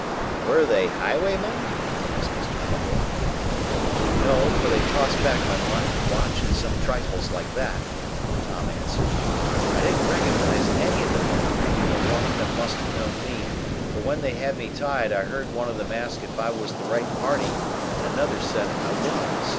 "Were they highwaymen?" asked Mr. Kimtall. "No, for they tossed back my money, watch and some trifles like that," Tom answered. "I didn't recognize any of the men, though one of them must have known me, for when they had me tied I heard one of them ask if I was the right party, and another said I was.